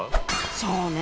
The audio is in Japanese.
そうね。